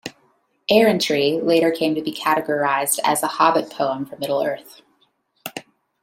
"Errantry" later came to be categorised as a Hobbit poem from Middle-earth.